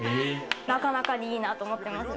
なかなかにいいなと思ってますよ。